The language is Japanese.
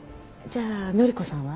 じゃあ典子さんは？